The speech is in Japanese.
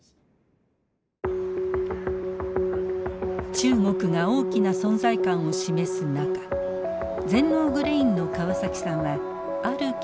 中国が大きな存在感を示す中全農グレインの川崎さんはある企業を訪ねました。